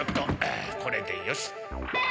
ああこれでよし！